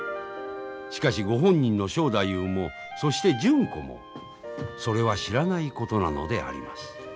しかしご本人の正太夫もそして純子もそれは知らないことなのであります。